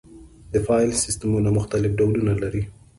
د فایل سیستمونه مختلف ډولونه لري.